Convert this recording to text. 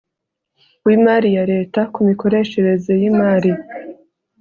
w imari ya leta ku mikoreshereze y imari